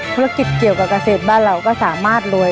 ธุรกิจเกี่ยวกับเกษตรบ้านเราก็สามารถรวย